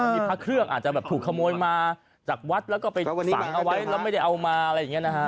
มีพระเครื่องอาจจะแบบถูกขโมยมาจากวัดแล้วก็ไปฝังเอาไว้แล้วไม่ได้เอามาอะไรอย่างนี้นะฮะ